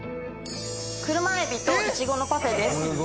車エビといちごのパフェです